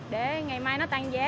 để ngày mai nó tăng giá